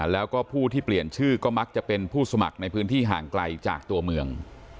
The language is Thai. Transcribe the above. แล้วก็ผู้ที่เปลี่ยนชื่อก็มักจะเป็นผู้สมัครในพื้นที่ห่างไกลจากตัวเมือง